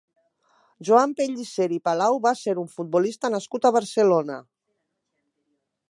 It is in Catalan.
Joan Pellicer i Palau va ser un futbolista nascut a Barcelona.